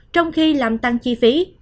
trong khi làm tăng chi phí